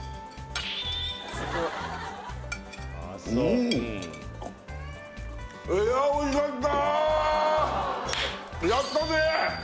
うんおいしかった！